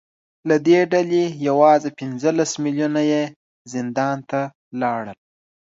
له دې ډلې یوازې پنځلس میلیونه یې زندان ته لاړل